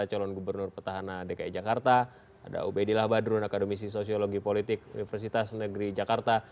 calon gubernur petahana dki jakarta ada ubedillah badrun akademisi sosiologi politik universitas negeri jakarta